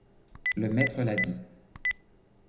Le maître l’a dit.